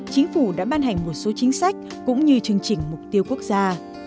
chính phủ đã ban hành một số chính sách cũng như chương trình mục tiêu quốc gia